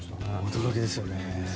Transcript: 驚きですよね。